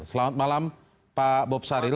selamat malam pak bob saril